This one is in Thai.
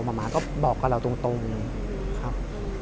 มาก็บอกกับเราตรงครับ